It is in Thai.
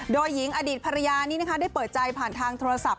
โดยหญิงอดีตภรรยานี้นะคะได้เปิดใจผ่านทางโทรศัพท์